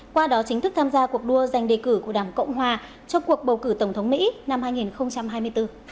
qua đó chính thức tham gia cuộc đua giành đề cử của đảng cộng hòa trong cuộc bầu cử tổng thống mỹ năm hai nghìn hai mươi bốn